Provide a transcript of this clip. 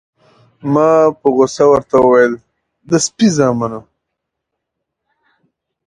ما په غوسه ورته وویل: د سپي زامنو.